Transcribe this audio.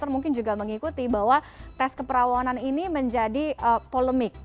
mungkin juga mengikuti bahwa tes keperawanan ini menjadi polemik